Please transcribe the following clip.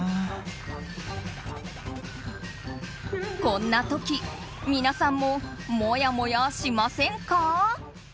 こんな時、皆さんももやもやしませんか？